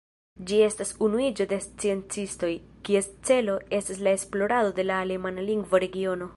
Ĝi estas unuiĝo de sciencistoj, kies celo estas la esplorado de la alemana lingvo-regiono.